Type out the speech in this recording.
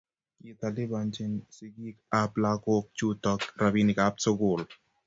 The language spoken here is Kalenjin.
Kitalipanchini sigik ab lagok chutok rabinik ab sukul